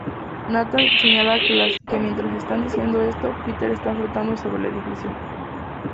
Nathan señala que mientras está diciendo esto, Peter está flotando sobre el edificio.